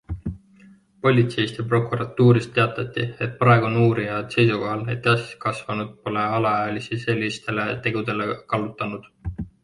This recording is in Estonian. Politseist ja prokuratuurist teatati, et praegu on uurijad seisukohal, et täiskasvanud pole alaealisi sellistele tegudele kallutanud.